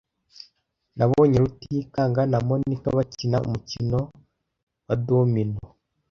Nabonye Rutikanga na Monika bakina umukino wa domino.